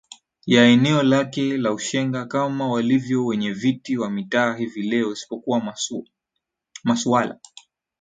ya eneo lake la Ushenga kama walivyo Wenyeviti wa Mitaa hivi leo isipokuwa masuala